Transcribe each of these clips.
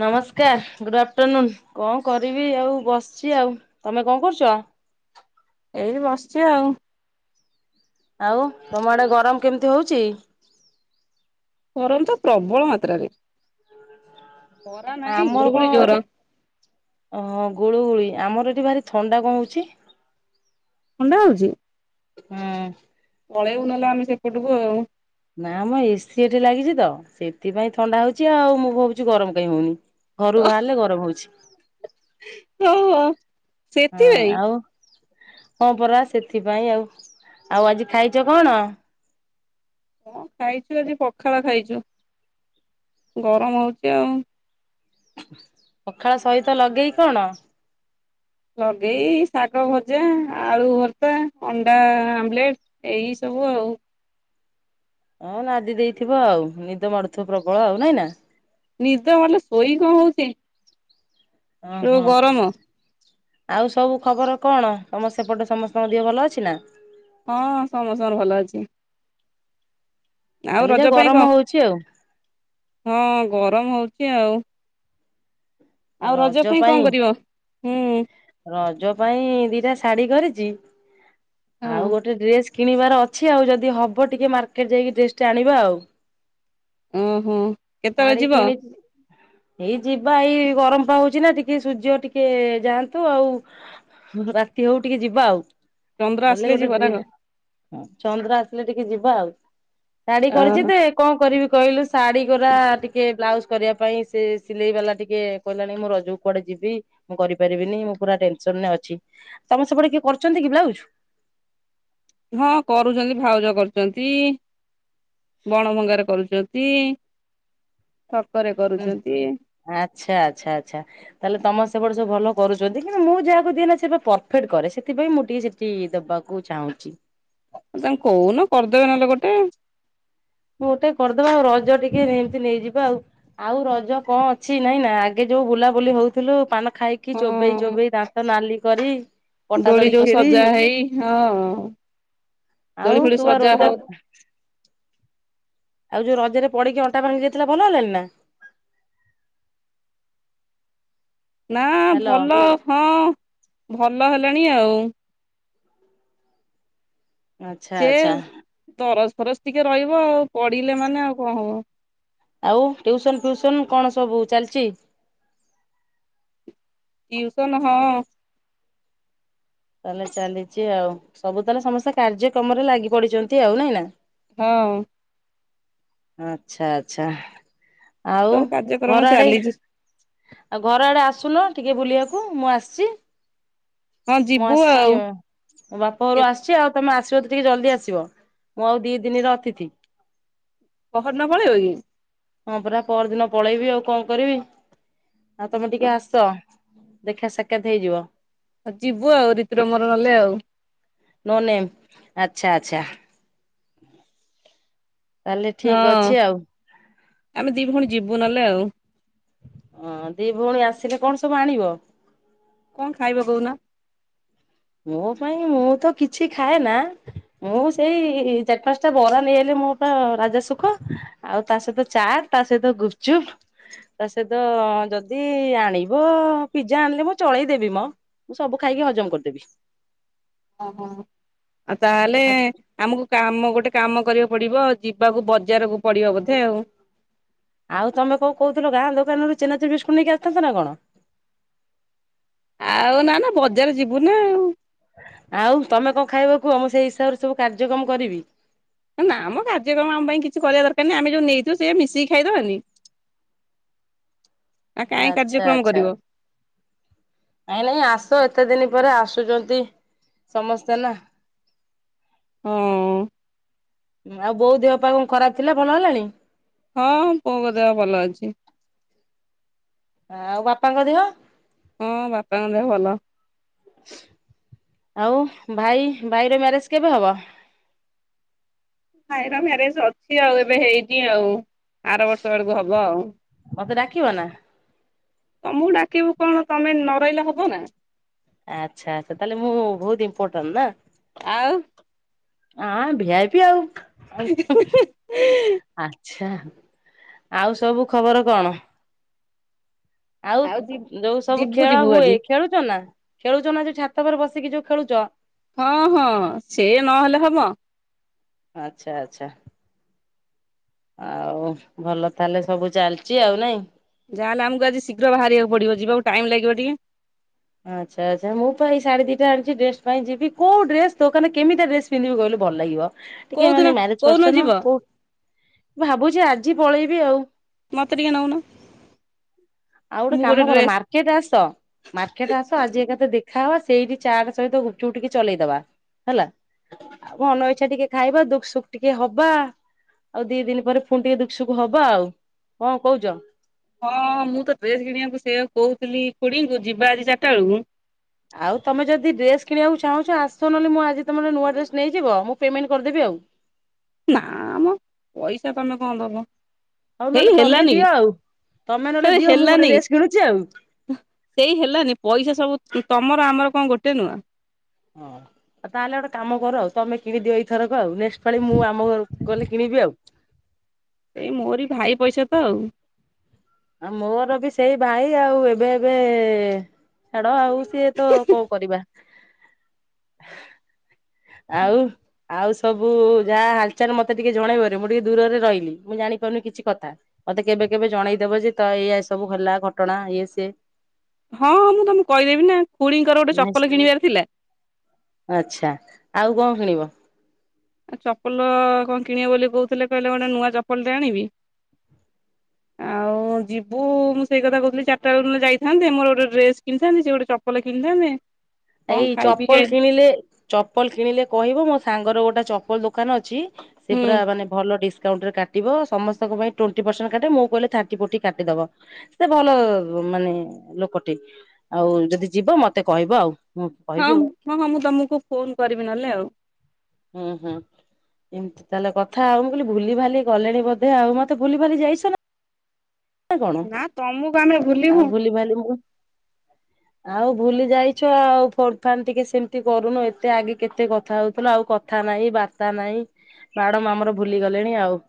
ନମସ୍କାର good afternoon କଣ କରିବି ଆଉ ବସିଛି ଆଉ। ତମେ କଣ କରୁଛ? ଏଇ ବସିଛି ଆଉ। ଆଉ ତମ ଆଡେ ଗରମ କେମିତି ହଉଛି? ଗରମ ତ ପ୍ରବଳ ମାତ୍ରାରେ। ଖରା ନାହିଁ ଆମର ଗୁଳୁଗୁଳି କଣ ଜୋର ଅ ଗୁଳୁଗୁଳି ଆମର ଏଠି ଭାରି ଥଣ୍ଡା କଣ ହଉଛି। ଥଣ୍ଡା ହଉଛି। ହୁଁ। ପଳେଇବବୁ ନ ହେଲେ ଆମେ ସେପଟକୁ ଆଉ। ନା ମ ଏସିି ଏଠି ଲାଗିଛି ତ ସେଥିପାଇଁ ଥଣ୍ଡା ହଉଛି ଆଉ ମୁଁ ଭାବୁଛି ଗରମ କାଇଁ ହଉନି। ଘରୁ ବାହାରିଲେ ଗରମ ହଉଛି। ହଁ। ହଁ ଆଉ ହଁ ପରା ସେଥିପାଇଁ ଆଉ। ଆଉ ଆଜି ଖାଇଛ କଣ? ହଁ ଖାଇଛୁ ଆଜି ପଖାଳ ଖାଇଛୁ ଗରମ ହଉଛି ଆଉ। ପଖାଳ ସହିତ ଲଗେଇ କଣ? ଲଗେଇ ଶାଗ ଭଜା ଆଳୁ ଭର୍ତ୍ତା ଅଣ୍ଡା ଆମଲେଟ। ଏଇ ସବୁ ଆଉ। ହଁ ନାଦି ଦେଇଥିବ ଆଉ। ନିଦ ମାଡୁଥିବ ପ୍ରବଳ ଆଉ ନାଇଁ ନା। ନିଦ ମାଇଲେ ଶୋଇ କୋଇ ହୋଉଚି। ଅହ। ଆଉ ସବୁ ଖବର କଣ? ତମ ସେପଟେ ସମସ୍ତଙ୍କ ଦିହ ଭଲ ଅଛି ନା? ହଁ ସମସ୍ତଙ୍କର ଭଲ ଅଛି। ଆଉ ଖାଲି ଯା ରଜ ପାଇଁ କଁ? ଗରମ ହଉଛି ଆଉ ହଁ ଗରମ ହୋଉଚି ଆଉ। ଆଉ ରଜ ପାଇଁ କଣ କରିବ? ହୁଁ। ରଜ ପାଇଁ ଦିଟା ଶାଢୀ କରିଚି। ହଁ ଆଉ ଗୋଟେ ଡ୍ରେସ। କିଣିବାର ଅଛି। ଆଉ ଯଦି ହେବ ଟିକିଏ ମାର୍କେଟ ଯାଇକି ଡ୍ରେସ୍ ଟେ ଆଣିବା ଆଉ। ଉଁ ହୁଁ। ଶାଢୀ କିଣି- ଏଇ ଯିବା ଏଇ ଗରମ ପା ହୋଉଚି ନା ଟିକିଏ ସୂର୍ଯ୍ୟ ଟିକିଏ ଯାଆନ୍ତୁ ଆଉ। ରାତି ହୋଉ ଟିକିଏ ଯିବା ଆଉ। ଚନ୍ଦ୍ର ଗଲେ ଆସିଲେ ଗୋଟେ ଯିବ ନା ଡ୍ରେ କଣ ଚନ୍ଦ୍ର ଆସିଲେ ଟିକିଏ ଯିବା ଆଉ। ଶାଢୀ କରିଚି ଓହୋ ତେ କଣ କରିବି କହିଲୁ ଶାଢୀ। ଦୁରା ଟିକିଏ ବ୍ଲାଉଜ କରିବା ପାଇଁ ସେ ସିଲେଇ ବାଲା ଟିକିଏ କହିଲାନି ମୁଁ ରଜକୁ କୁଆଡେ ଯିବି। ମୁଁ କରିପାରିବିନି ମୁଁ ପୁରା ଟେନସନରେ ଅଛି। ତମ ସେପଟେ କିଏ କରୁଚନ୍ତି କି ବ୍ଲାଉଜ୍? ହଁ କରୁଚନ୍ତି ଭାଉଜ କରୁଚନ୍ତି। ଗଣ ମଙ୍ଗାରେ କରୁଚ ନ୍ତି। ଛକରେ କରୁଚନ୍ତି। ଆଚ୍ଛା ଆଚ୍ଛା ଆଚ୍ଛା। ତାହେଲେ ତମ ସେପଟେ ସବୁ ଭଲ କରୁଚନ୍ତି। କିନ୍ତୁ ମୁଁ ଯାହାକୁ ଦିଏ ନା ସେ ପରଫେକ୍ଟ କରେ। ସେଥିପାଇ ମୁଁ ଟିକିଏ ଚି କି ଦବାକୁ ଚାହୁଁଚି। ଆଉ ତାଙ୍କୁ କହୁନୁ କରିଦେବେ ନହେଲେ ଗୋଟେ। ଗୋଟେ କରିଦବା ଆଉ ରଜ ଟିକିଏ ଏମିତି ନେଇଯିବା ଆଉ। ଆଉ ରଜ କଣ ଅଛି ନାଇଁ ନା। ଆଗେ ଯୋଉ ବୁଲାବୁଲି ହୋଉଥିଲୁ ପାନ ଖାଇକ୍ କି ଚୋବେଇ ହଁ ଚୋବେଇ ଦାନ୍ତ ନାଲି କରି। ଦୋଳି ପଟାଦଳି ଯୋଉ ଖିଳି ସଜା ହେଇ ହଁ ଦୋଳି ଆଉ ଫୋଳି ତୁ ପା ସଜା ହଉ ରଜରେ ଆଉ ଯୋଉ ରଜରେ ପଡିକି ଅଣ୍ଟା ଭାଙ୍ଗି ଯାଇଥିଲା ଭଲ ହେଲାଣି ନା? ନା ହ୍ୟାଲୋ ଭଲ ହଁ ଭଲ ହେଲାଣି ଆଉ। ଆଚ୍ଛା ସେ ଆଚ୍ଛା ଦରଜ ଫରଜ ଟିକିଏ ରହିବ ଆଉ। ପଡିଲେ ମାନେ ଆଉ କଣ ହବ। ଆଉ ଟ୍ୟିଉସନ ‌‌କ ଫ୍ୟିଉସନ କଣ ସବୁ ଚାଲିଚି? ଟିୟୁସନ ହଁ। ତାହେଲେ ଚାଲିଚି ଆଉ। ସବୁ ତାହେଲେ ସମସ୍ତେ କାର୍ଯ୍ୟକ୍ରମରେ ଲାଗି ପଡିଚନ୍ତି ଆଉ ନାଇଁ ନା। ହଁ। ଆଛା ଆଛା ଆଉ ସବୁ କାର୍ଯ୍ୟକ୍ରମ ଘର ଆଡେ- ଚାଲିଛି ଆଉ ଘର ଆଡେ ଆସୁନୁ ଟିକିଏ ବୁଲିବାକୁ ମୁଁ ଆସ୍ଚି ହଁ ମୁଁ ଯିବୁ ଆସ୍ଚି। ଆଉ ମୋ ବାପ ଘରୁ ଆସ୍ ଚି। ଆଉ ତମ ଆସିବ ତ ଟିକିଏ ଜଲ୍ଦି ଆସିବ। ମୁଁ ଆଉ ଦି ଦିନିର ଅତିଥି। ପହରଦିନ ପଳେଇବ କି? ହଁ ପରା ପରଦିନ ପଳେଇବି ଆଉ କଣ କରିବି। ଆଉ ତମେ ଟିକିଏ ଆସ। ଦେଖା ସାକ୍ଷାତ ହେଇଯିବ। ହଉ ଯିବୁ ଆଉ ରିତୁରମୋର ନ ହେଲେ ଆଉ। ନୋ ନେମ୍ ଆଛା ଆଚ୍ଛା। ତାହେଲେ ହଁ ଠିକ୍ ଅଛି ଆଉ। ଆମେ ଦି ଭଉଣୀ ଯିବୁ ନହେଲେ ଆଉ। ହଁ ଦି ଭଉଣୀ ଆସିଲେ କଣ ସବୁ ଆଣିବ? କଣ ଖାଇବ କହୁନ? ମୋ ପାଇଁ ମୁଁ ତ କିଛି ଖାଏ ନା। ମୁଁ ସେଇ ଚାରି ପାଞ୍ଚଟା ବରା ନେଇ ଆଇଲେ ମୋ ପା ପୁରା ରାଜା ସୁଖ। ଆଉ ତା ସହିତ ଚା ତା ସହିତ ଗୁପଚୁପ ତା ସହିତ ଯଦି ଆଣିବ ପିଜା ଆଣିଲେ ମୁଁ ଚଳେଇ ଦେବି ମ। ମୁଁ ସବୁ ଖାଇକି ହଜମ କରିଦେବି। ଓ ହୋ ଆଉ ତାହେଲେ ଆଉ ଆମକୁ କାମ ଗୋଟେ କାମ କରିବାକୁ ପଡ଼ିବ ଯିବାକୁ ବଜାରକୁ ପଡ଼ିବ ବୋଧେ ଆଉ। ଆଉ ତମେ କଣ କହୁଥିଲ ଗାଁ ଦୋକାନରୁ ଚେନାଚୁରୁ ବିସ୍କୁଟ ନେଇକି ଆସିଥାନ୍ତ ନା କଣ। ଆଉ ନା ନା ବଜାର ଯିବୁ ନା ଆଉ। ଆଉ ତମେ କଣ ଖାଇବ କୁହ ମୁଁ ସେଇ ହିସାବରେ ସବୁ କାର୍ଯ୍ୟକ୍ରମ କରିବି। ନା ମ କାର୍ଯ୍ୟକ୍ରମ ଆମ ପାଇଁ କିଛି କରିବା ଦରକାରହିଁ ଆମେ ଯୋଉ ନେଇଥିବୁ ସେଇଆ ମିଶିକି ଖାଇଦବାନି। [inaudible] ଆଚ୍ଛା କାର୍ଯ୍ୟକ୍ରମ ଆଚ୍ଛା। କରିବ ନାଇଁ ନାଇଁ ଆସ ଏତେ ଦିନି ପରେ ଆସୁଛନ୍ତି ସମସ୍ତେ ନା। ହଁ ଆଉ ବୋଉ ଦେହ ପା କଣ ଖରାପ ଥିଲା ଭଲ ହେଲାଣି? ହଁଁ ବୋଉଙ୍କ ଦେହ ଭଲ ଅଛି। ଆଉ ବାପାଙ୍କ ଦେହ? ହଁ ବାପାଙ୍କ ଦେହ ଭଲ। ଆଉ ଭାଇ ଭାଇର ମ୍ୟାରେଜ କେବେ ହବ? ଭାଇର ମ୍ୟାରେଜ ଅଛି ଆଉ ଏବେ ହେଇନି ଆଉ ଆର ବର୍ଷ ଆଡ଼କୁ ହବ ଆଉ। ମତେ ଡାକିବ ନା? ତମକୁ ଡାକିବୁ କଣ ତମେ ନରହିଲେ ହବ ନା। ଆଚ୍ଛା ତ ତାହେଲେ ମୁଁ ବହୁତ ଇମ୍ପୋର୍ଟାଣ୍ଟ ନା। ଆଉ ଆଁ ଭିଆପି ଆଉ [unintelligible] ଆଚ୍ଛା ଆଉ ସବୁ ଖବର କଣ? ଆଉ ଯୋଉ ସବୁ ଯିବୁ ଖେଳ ଯିବୁ ହୁଏ, ଆଜି ଖେଳୁଛ ନା। ଖେଳୁଛି ନା ଯୋଉ ଛାତ ଉପରେ ବସିକି ଯୋଉ ଖେଳୁଥିଲ। ହଁ ହଁ ସେ ନହେଲେ ହବ। ଆଚ୍ଛା ଆଚ୍ଛା। ଆଉ ଭଲ ତାହେଲେ ସବୁ ଚାଲିଛି ଆଉ ନାଇଁ। ଯାହା ହେଲେ ଆମକୁ ଆଜି ଶୀଘ୍ର ବାହାରିବାକୁ ପଡ଼ିବ ଯିବାକୁ ଟାଇମ ଲାଗିବ ଟିକେ। ଆଚ୍ଛା ଆଚ୍ଛା ମୁଁ ପା ଏଇ ଶାଢ଼ୀ ଦିଟା ଆଣିଛି ଡ୍ରେସ ପାଇଁ ଯିବି। କୋଉ ଡ୍ରେସ ଦୋକାନ କେମିତିଆ ଡ୍ରେସ ପିନ୍ଧିବି କହିଲୁ ଭଲ ଲାଗିବ ଟିକେ କୋଉଦିନ ମାନେ ମ୍ୟାରେଜ କୋଉଦିନ ପର୍ସନ ଯିବ କୋଉ ଭାବୁଛି ଆଜି ପଳେଇବି ଆଉ। ମତେ ଟିକେ ନଉନ। ଆଉ ଗୋଟେ ମୁଁ କାମ କର ଡ୍ରେସ ମାର୍ କି ଆସ ମାର୍କେଟ ଆସ ଆଜି ଏକାଥରେ ଦେଖାହବା ସେଇଠି ଚାଟ ସହିତ ଗୁଗ୍‌ଚୁପ ଟିକେ ଚଲେଇଦବା। ହେଲା ଆ ମନ ଇଚ୍ଛା ଟିକେ ଖାଇବା ଦୁଃଖ୍ ସୁଖ୍ ଟିକେ ହବା। ଆଉ ଦି ଦିନ ପରେ ଫୁଣି ଟିକେ ଦୁଃଖ୍ ସୁଖ୍ ହବା ଆଉ କଣ କହୁଛ। ହଁ ମୁଁ ତ ଡ୍ରେସ କିଣିବାକୁ ସେଇଆ କହୁଥିଲି ଖୁଡ଼ିଙ୍କୁ ଯିବା ଆଜି ଚାରିଟା ବେଳକୁ। ଆଉ ତମେ ଯଦି ଡ୍ରେସ କିଣିବାକୁ ଚାହୁଁଛ ଆସ ନହେଲେ ମୁଁ ଆଜି ତମର ନୂଆ ଡ୍ରେସ ନେଇଯିବ ମୁଁ ପେମେଣ୍ଟ କରିଦେବି ଆଉ। ନା ଆମ ପଇସା ତମେ କଣ ଦବ। ହଉ ସେଇ ନହେଲେ ତମେ ହେଲାନି ଦିଅ ଆଉ ତମେ ସେ ନହେଲେ ଦିଅ ମୁଁ ଗୋଟେ ହେଲାନି ଡ୍ରେସ୍ କିଣୁଛି ଆଉ। ସେଇ ହେଲାନି ପଇସା ସବୁ ତମର ଆମର କଣ ଗୋଟେ ନୁଆଁ। ହଁଉ ତାହେଲେ ଗୋଟେ କାମ କର ଆଉ ତମେ କିଣି ଦିଅ ଏଇଥରକ ଆଉ ନେକ୍ସଟ ପାଳି ମୁଁ ଆମ ଘରୁ ଗଲେ କିଣିବି ଆଉ। ଏଇ ମୋରି ଭାଇ ପଇସା ତ ଆଉ। ଆଉ ମୋର ବି ସେଇ ଭାଇ ଆଉ ଏବେ ହେବେ ଛାଡ ଆଉ। ସିଏ ତ କଣ କରିବା। ଆଉ। ଆଉ ସବୁ ଗାଁ ହାଲ୍‌ଚାଲ୍ ମତେ ଟିକେ ଜଣେଇବରେ ମୁଁ ଟିକେ ଦୂରରେ ରହିଲି ମୁଁ ଜାଣିପାରୁନି କିଛି କଥା। ମତେ କେବେ କେବେ ଜଣେଇଦବ ଯେ ତ ଏଇ ସବୁ ହେଲା ଘଟଣା ଇଏ ସିଏ। ହଁ ହଁ ମୁଁ ତମକୁ କହିଦେବି ନା ଖୁଡିଙ୍କର ଗୋଟେ ଚପଲ କିଣିବାର ଥିଲା। ଆଚ୍ଛା ଆଉ କଣ କିଣିବ? ଚପଲ କଣ କିଣିବେ ବୋଲି କହୁଥିଲେ। କହିଲେ ଗୋଟେ ନୂଆ ଚପଲ ଟେ ଆଣିବି। ଆଉ ଯିବୁ ମୁଁ ସେଇ କଥା କହୁଥିଲି ଚାରିଟା ବେଳେ ନହେଲେ ଯାଇଥାନ୍ତେ। ମୋର ଗୋଟେ ଡ୍ରେସ କିଣିଥାନ୍ତି ସେ ଗୋଟେ ଚ ଚପଲ କିଣିଥାନ୍ତେ। କଣ ଏଇ ଖାଇ ପିଇକି ଚପଲ ଆଇ କିଣିଲେ ଚପଲ କିଣିଲେ କହିବୁ ମୋ ସାଙ୍ଗର ଗୋଟେ ଚପଲ ଦୋକାନ ଅଛି। ସେ ହୁଁ ପୁରା ମାନେ ଭଲ ଡିସକାଉଣ୍ଟ ରେ କାଟିବ ସମସ୍ତଙ୍କ ପାଇଁ ଟ୍ୱଣ୍ଟି ପର୍ସେଣ୍ଟ କାଟେ ମୁଁ କହିଲେ ଥାର୍ଟି ଫୋଟି କାଟିଦବ। ସେ ଭଲ ମାନେ ଲୋକଟେ ଆଉ ଯଦି ଯିବ ମତେ କହିବ ଆଉ। ହଁ କହିବି ଆଉ। ହଁ ହଁ ମୁଁ ତମକୁ ଫୋନ କରିବି ନହଲେ ଆଉ। ହୁଁ ହୁଁ। ଏମିତି ତାହେଲେ କଥା ଆଉ ମୁଁ କହିଲି ଭୁଲି ଭାଲି ଗଲିଣି ବୋଧେ ଆଉ ମତେ ଭୁଲି ଭାଲି ଯାଇସ ନା। ନା ତମକୁ ଆମେ ଭୁଲିବୁ। ଲିଭାଇଲ ମୁଁ। [inaudible] ଆଉ ଭୁଲି ଯାଇଛ ଆଉ ଫୋନ ଫାନ ଟିକେ ସେମିତି କରୁନ ଏତେ ଆଗେ କେତେ କଥା ହଉଥିଲ ଆଉ କ କଥା ନାଇଁ ବାର୍ତ୍ତା ନାହିଁ ମ୍ୟାଡମ ଆମର ଭୁଲି ଗଲେଣି ଆଉ।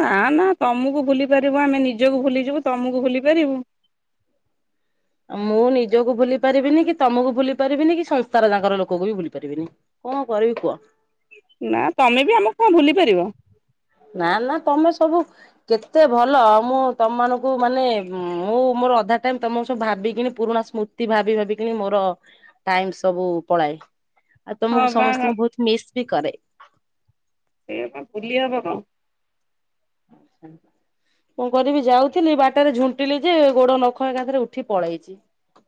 ନା ନା ତମକୁ ଭୁଲି ପାରିବୁ ଆମେ ନିଜକୁ ଭୁଲିଯିବୁ ତମକୁ ଭୁଲି ପାରିବୁ। ମୁଁ ନିଜକୁ ଭୁଲି ପାରିବିନି କି ତମକୁ ଭୁଲି ପାରିବିନି କି ସଂଶାର ଯାକର ଲୋକକୁ ବି ଭୁଲି ପାରିବିନି। କଣ କରିବି କୁହ? ନା ତମେ ବି ଆମକୁ କଣ ଭୁଲି ପାରିବ। ନା ନା ତମେ ସବୁ କେତେ ଭଲ ମୁଁ ତମମାନଙ୍କୁ ମାନେ ମୁଁ ମୋର ଅଧା ଟାଇମ ତମକୁ ସବୁ ଭାବିକିନି ପୁରୁଣା ସ୍ମୃତି ଭାବି ଭାବିକି ମୋର ଟାଇମ ସବୁ ପଳାଏ। ଆଉ ହଁ ତମକୁ ବା ସମସ୍ତଙ୍କୁ ବହୁତ ମିସ୍ ବି କରେ। ସେ ବା ବୁଲି ହବ କଣ। ଆଛା। କଣ କରିବି ଯାଉଥିଲି ବାଟରେ ଝୁଣ୍ଟିଲି ଯେ ଗୋଡ ନଖ ଏକାଥରେ ଉଠି ପଳେଇଛି।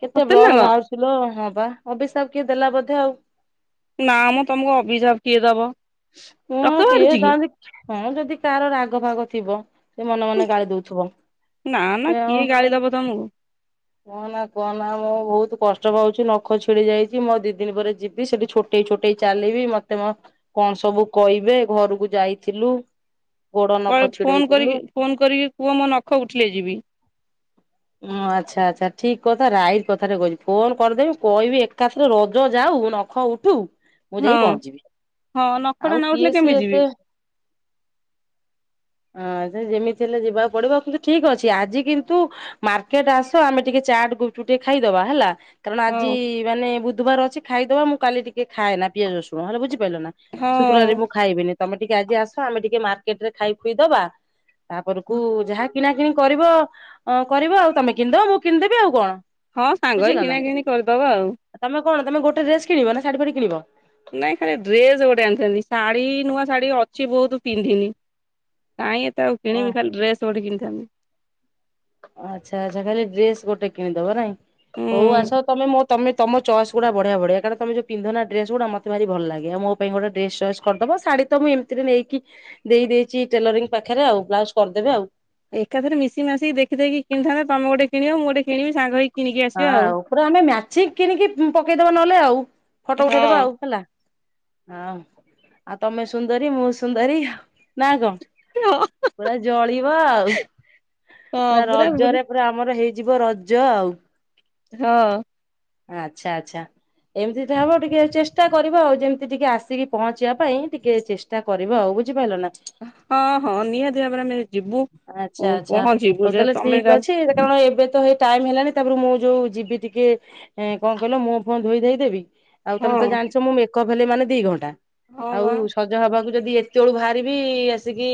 କେତେ ସତରେ ନା ବ୍ଲଡ କଣ ବାହାରୁଚିଲୋ ହଁ ବା ଅଭିିଶାବ କିଏ ଦେଲା ବୋଧେ ଆଉ। ନା ମ ତମକୁ ଅଭିଶାପ କିଏ ଦବ। ହଁ ରକ୍ତ କିଏ ବାହାରୁଛି କି ତାନ୍ତି ହଁ ଯଦି କାହାର ରାଗ ଫାଗ ଥିବ ସେ ମନେ ମନେ ଗାଳି ଦଉଥିବ। ନା ନା କିଏ ଗାଳି ଦବ ତମକୁ। କହ ନା କହନା ମୁଁ ବହୁତ କଷ୍ଟ ପାଉଛି ନଖ ଛିଡି ଯାଇଛି ମୁଁ ଦି ଦିନ ପରେ ଯିବି ସେଠି ଛୋଟ ଚୋଟେଇ ଛୋଟେଇ ଚାଲିବି ମତେ କଣ ସବୁ କହିବେ ଘରକୁ ଯାଇଥିଲୁ। ଗୋଡ କ ନଖ ଛିଡେଇ ଫୋନ ଦେଲୁ କରି ଫୋନ କରିକି କୁହ ମୋ ନଖ ଉଠିଲେ ଯିବି। ହଁ ଆଚ୍ଛା ଆଚ୍ଛା ଠିକ କଥା ରାଇଟ କଥାାରେ କଛି ଫୋନ କରିଦେବି କହିବି ଏକାଥରେ ରଜ ଯାଉ ନ ପଖ ଉଠୁ ମୁଁ ହଁ ଯାଇ ପହଞ୍ଚିବି। ହଁ ଆଉ ନଖଟା ନ ଉଠିଲେ କିଏ କେମି ସିଏ ଯିବି। ଏତେ ହଁ ଯେମିତି ହେଲେ ଯିବାକୁ ପଡିବ କିନ୍ତୁ ଠିକ ଅଛି ଆଜି କିନ୍ତୁ ମାର୍କେଟ ଆସ ଆମେ ଟିକେ ଚାଟ ଗୁପୁତୁପ ଟେ ଖାଇଦବା ହେଲା। କାରଣ ଆଜି ହଁ ମାନେ ବୁଧବାର ଅଛି ଖାଇଦବା ମୁଁ କାଲି ଟିକେ ଖାଏ ନା ପିଆଜ ରସୁଣ ହେଲେ ବୁଝିପାରିଲ ନା। ଶୁକ୍ରବରେ ହଁ ମୁଁ ଖାଇବିନି ତମେ ଟିକେ ଆଜି ଆସ ଆମେ ଟିକେ ମାର୍କେଟ ରେ ଖାଇ ଖୁଇ ଦବା। ତାପରକୁ ଯାହା କିଣା କିିଣି କରିବ କରିବ ଆଉ ତମେ କିଣିଦବ ମୁଁ କିଣିଦେବି ଆଉ କଣ। ହଁ ସାଙ୍ଗ ହେଇ କିଣା କିିଣି କରିଦବା ଆଉ। ତେ କଣ ତମେ ଗୋଟେଡ୍ରେସ କିଣିବ ନା ଶାଢୀ ଫାଡି କିଣିବ? ନାଇଁ ଖାଲି ଡ୍ରେସ ଗୋଟେ ଆଣିଥାନ୍ତି ଶାଢୀ ନୂଆ ଶାଢୀ ଅଛି ବହୁତ ପିନ୍ଧିନି। କାଇଁ ଏତେ ଆଉ ଓ କିଣିବି ଖାଲି ଡ୍ରେସ ଗୋଟେ କିଣିଥାନ୍ତି। ଆଚ୍ଛା ଆଚ୍ଛା ଖାଲି ଡ୍ରେସ୍ ଗୋଟେ କିଣିଦବ ନାଇଁ ହୁଁ ହଉ ଆସ ତମେ ମତେ ତମେ ତମ ଚଏସ୍ ଗୁଡ଼ା ବଢିଆ ବଢ଼ିଆ କାରଣ ତମେ ଯୋଉ ପିନ୍ଧନା ଡ୍ରେସ ଗୁଡା ମତେ ଭାରି ଭଲ ଲାଗ। ଆ ମୋ ପାଇଁ ଗୋଟ ଡେ ଚଏସ୍ କରିଦବ ସାଢୀ ତ ମୁଁ ଏମିତିରେ ନେଇକି ଦେଇ ଦେଇଦେଇଚି ଟେଲରିଂ ପାଖରେ ଆଉ ବ୍ଲାଉଜ କରିଦେବେ ଆଉ। ଏକାଥରେ ମିଶି ମାସିକିଖିକି କିଣିଥାନ୍ତତା ତମ ଗୋଟେ କିଣିବଁ ଗୋଟେ କିଣିବି ସାଙ୍ଗ ହେଇକି କିଣିକି ହଁ ଆସିବା ଆଉ ପୁରା ଆମେ ମଚ କିଣିକି ପକେଇଦବା ନହେଲେ ଆଉ ଫଟୋ ଉଠେଇଦବା ଆଉ ହେଲା। ହଁ ଆଉ ତମେ ସୁନ୍ଦରୀ ମୁଁ ସୁନ୍ଦରୀ ନା କଣ? ହଁ ପୁରା ଜଳିବ ଆଉ। ହଁ ପୁରା ବୁଲି ରଜରେ ତାପରେ ଆମର ହେଇଯିବ ରଜ ଆଉ। ହଁ। ଆଚ୍ଛା ଆଚ୍ଛା। ଏମିତିଟ ହବ ଟିକେ ଚେଷ୍ଟା କରିବ ଆଉ ଯେମିତି ଟିକେ ଆସିକି ପହଞ୍ଚିବା ପାଇଁ ଟିକେ ଚେଷ୍ଟା କରିବ ଆଉ ବୁଝିପାରିଲ ନା। ହଁ ହଁ ନିହାତି ଭାବରେ ଆମେ ଯିବୁ। ଆଚ୍ଛା ଆଚ୍ଛା ପହଞ୍ଚିବୁ ହଉ ଯେ ତାହେଲେ ତମେ ଠିକ୍ ଅଛି କାରଣ ଏବେ ତ ହେଇ ଟାଇମ ହେଲାଣି ତାପରେ ମୁଁ ଯୋଉ ଯିବି ଟିକେ କଣ କହିଲ ମୁୋ ଫୋ ଧୋଇ ଦେଇଦେବି। ଆଉ ହଁ ତମେ ତ ଜାଣିଚ ମୁଁ ମେକଅପ୍ ହେଲେ ମାନେ ଦି ଘଣ୍ଟା। ହଁ ଆଉ ବା ହବାକୁ ଯଦି ଏତେ ବଳୁ ବାହାରିବି ଆସିକି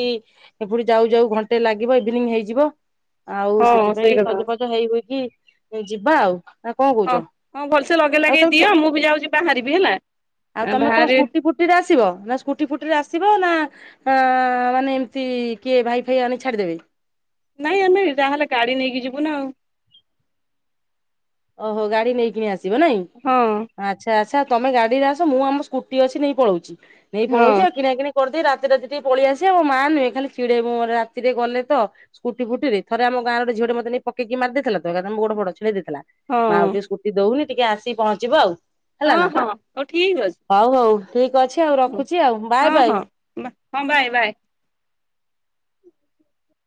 ଏପ ଯାଉ ଯାଉ ଘଣ୍ଟେ ଲାଗିବ ଇଭିନିଂ ହେଇଯିବ ଆଉ ହଁ ସେଥିପାଇଁ ସେଇ ଟିକ କଥା ସଜଜ ହେଇ ହଇକି ଯିବା ଆଉ। ନା କଣ କହୁଛ ହଁ ହଁ ଭଲସେ ଲଗେଇ ଆଉ ଲଗେଇ ତମେ କେ ଦିଅ ମୁଁ ବି ଯାଉଛି ବାହାରିବି ହେଲା। ଆ ବାହାରି ଟିରେ ଆସିବ ନା ସ୍କୁଟି ଫୁଟିରେ ଆସିବ ନା ଆଁ ମାନେ ଏମିତି କିଏ ଭାଇ ଫାଇ ଆଣି ଛାଡ଼ିଦେବେ? ନାଇଁ ଆମେ ଯାହାହେଲେ ଗାଡି ନେଇକି ଯିବୁ ନା ଆଉ। ଓହୋ ଗାଡି ନେଇକିନି ଆସିବ ନାଇଁ? ଆଉ ଆଚ୍ଛା ଆଚ୍ଛା ତମେ ଗାଡିରେ ଆସ ମୁଁ ଆମ ସ୍କୁଟି ଅଛି ନେଇ ପଳଉଚି ନେଇ ହଁ ହଁ ପଳଉଚି ଆଉ କିଣା କିଣି କରିଦେଇ ରାତିରାତି ଟିକେ ପଳେଇଆସିବା। ମୋ ମା ନୁହେଁ ଖାଲି ଚିଡେଇବ ମ ରାତିରେ ଗଲେ ତ ସ୍କୁଟି ଫୁଟି ରେ। ଥରେ ଆମ ଗାଁ ର ଗୋଟେ ଝିଅ ଟେ ମୋତେ ନେଇ ପକେଇକି ମାରି ଦେଇଥିଲା ତ ଏକାଥେନେ ମୋ ଗୋଡ ଫୋଡ ଛିଡେଇ ଦେଇଥିଲା। ହଁ ମା ଆଉ ଟିକେ ସ୍କୁଟି ଦଉନି ଟିକେ ଆସିକି ପହଞ୍ଚିବ ଆଉ। ହଁ ହେଲା ନା ହଁ ହଉ ଠିକ୍ ଅଛି। ହଉ ହଉ ଠିକ୍ ଅଛି ଆଉ ରଖୁଚି ଆଉ ବାଏ ବାଏ। ବା ହଁ ବାଏ ବାଏ।